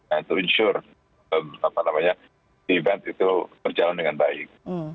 and to ensure event itu berjalan dengan baik